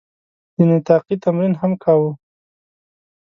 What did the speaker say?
د نطاقي تمرین هم کاوه.